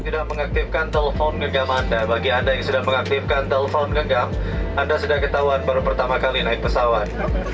tidak mengaktifkan telepon genggam anda bagi anda yang sudah mengaktifkan telepon genggam anda sudah ketahuan baru pertama kali naik pesawat